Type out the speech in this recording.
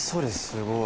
すごい。